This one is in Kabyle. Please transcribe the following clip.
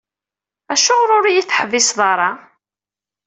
Acuɣer ur iyi-teḥbiseḍ ara?